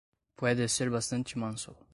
Puede ser bastante manso.